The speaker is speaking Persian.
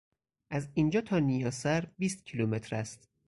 از اینجا تا نیاسر بیست کیلومتر است.